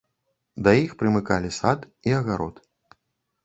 Да іх прымыкалі сад і агарод.